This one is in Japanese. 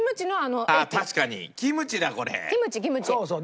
そうそう。